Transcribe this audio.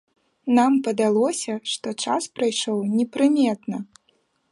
Нам падалося, што час прайшоў непрыметна.